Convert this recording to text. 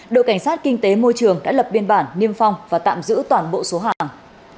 đội cảnh sát kinh tế môi trường đã lập biên bản niêm phong và tạm giữ toàn bộ số hàng